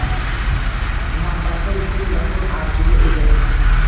Muhabbatim kun-bakun avjida edi.